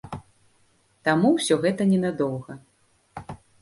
Таму ўсё гэта не надоўга.